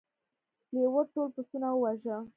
لیوه ټول پسونه وواژه.